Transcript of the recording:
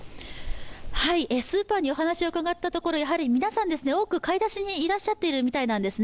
スーパーにお話を伺ったところ、皆さん、多く買い出しにいらっしゃっているみたいなんですね。